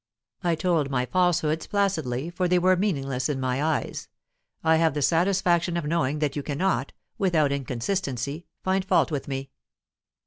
I told my falsehoods placidly, for they were meaningless in my eyes. I have the satisfaction of knowing that you cannot, without inconsistency, find fault with me.